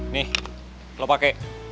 nih lo pakai